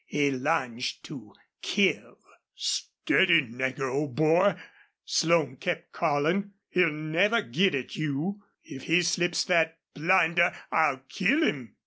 He lunged to kill. "Steady, Nagger, old boy!" Slone kept calling. "He'll never get at you.... If he slips that blinder I'll kill him!"